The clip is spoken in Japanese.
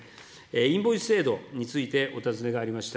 インボイス制度についてお尋ねがありました。